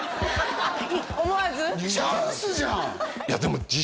チャンスじゃん！